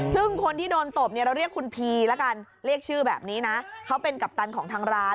ซึ่งคนที่โดนตบเนี่ยเราเรียกคุณพีละกันเรียกชื่อแบบนี้นะเขาเป็นกัปตันของทางร้าน